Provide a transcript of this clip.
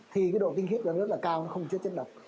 thì độ tinh khiết của nó rất là cao không chất chất độc